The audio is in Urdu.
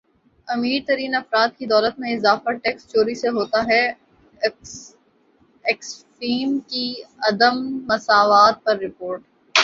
امیر ترین افراد کی دولت میں اضافہ ٹیکس چوری سے ہوتا ہےاکسفیم کی عدم مساوات پر رپورٹ